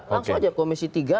langsung aja komisi tiga